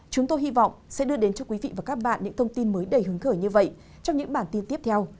chúng tôi hy vọng sẽ đưa đến cho quý vị và các bạn những thông tin mới đầy hứng khởi như vậy trong những bản tin tiếp theo